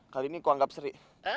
kali ini kuanggap seri